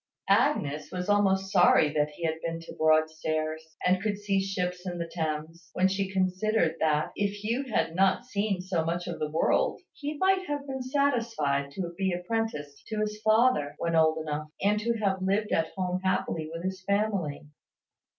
Agnes was almost sorry they had been to Broadstairs, and could see ships in the Thames, when she considered that, if Hugh had not seen so much of the world, he might have been satisfied to be apprenticed to his father, when old enough, and to have lived at home happily with his family.